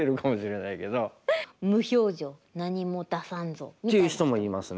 無表情何も出さんぞみたいな。っていう人もいますね。